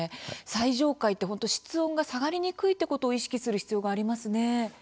最上階って本当、室温が下がりにくいってことを意識する必要がありますね。